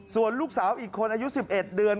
ส่วนลูกสาวอีกคนอายุ๑๑เดือน